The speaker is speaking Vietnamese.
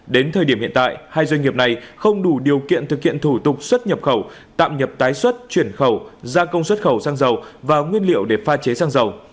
đến thời điểm hiện tại hai doanh nghiệp này không đủ điều kiện thực hiện thủ tục xuất nhập khẩu tạm nhập tái xuất chuyển khẩu gia công xuất khẩu sang dầu và nguyên liệu để pha chế xăng dầu